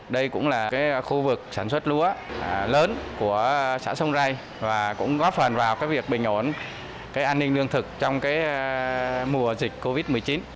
đây cũng là khu vực sản xuất lúa lớn của xã sông rai và cũng góp phần vào việc bình ổn an ninh lương thực trong mùa dịch covid một mươi chín